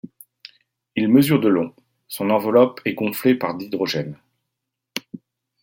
Il mesure de long, son enveloppe est gonflée par d'hydrogène.